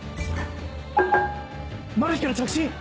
マル被から着信！